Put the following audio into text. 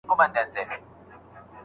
آیا قلم تر پنسل تلپاتی دی؟